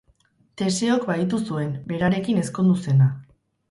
Teseok bahitu zuen, berarekin ezkondu zena.